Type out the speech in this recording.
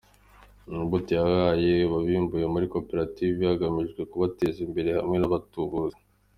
Iyi mbuto yahawe abibumbiye muri koperative haganijwe kubateza imbere, hamwe n’abatubuzi.